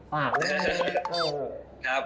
ฝากเลยครับ